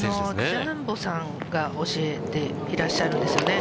ジャンボさんが教えていらっしゃるんですよね。